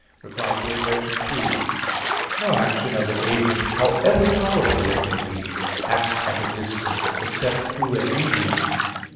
Reply Obj. 3: No action of an agent, however powerful it may be, acts at a distance, except through a medium.